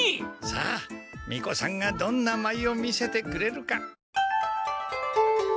さあみこさんがどんなまいを見せてくれるか。